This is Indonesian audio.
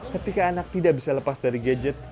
ketika anak tidak bisa lepas dari gadget